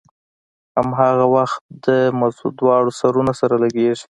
هماغه وخت د مزو دواړه سرونه سره لګېږي.